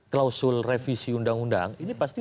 klausul revisi undang undang ini pasti